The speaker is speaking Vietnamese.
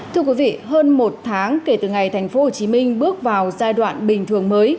thưa quý vị hơn một tháng kể từ ngày tp hcm bước vào giai đoạn bình thường mới